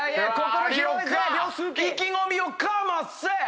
有岡意気込みをかませ！